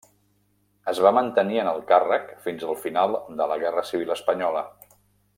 Es va mantenir en el càrrec fins al final de la guerra civil espanyola.